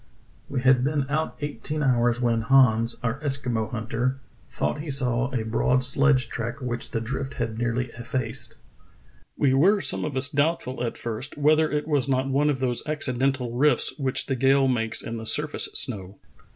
"We had been out eighteen hours when Hans, our Eskimo hunter, thought he saw a broad sledge track which the drift had nearly effaced. We were some of us doubtful at first whether it was not one of those acci dental rifts which the gales make in the surface snow.